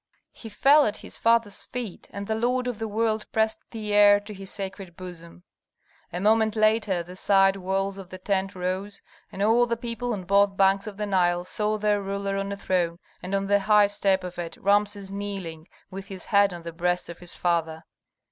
He fell at his father's feet, and the lord of the world pressed the heir to his sacred bosom. A moment later the side walls of the tent rose, and all the people on both banks of the Nile saw their ruler on a throne, and on the high step of it Rameses kneeling, with his head on the breast of his father.